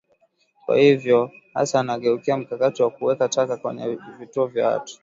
Kwa hivyo sasa anageukia mkakati wa kuweka taka kwenye vituo vya watu